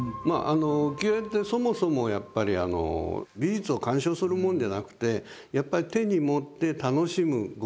浮世絵ってそもそもやっぱり美術を鑑賞するもんじゃなくてやっぱり手に持って楽しむ娯楽だったんですよね。